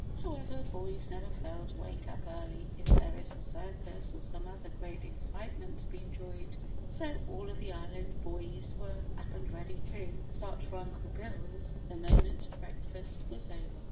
However, boys never fail to wake up early if there is a circus or some other great excitement to be enjoyed, so all of the Island boys were up and ready to start for Uncle Bill's the moment breakfast was over.